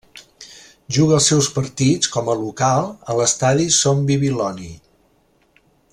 Juga els seus partits com a local a l'estadi Son Bibiloni.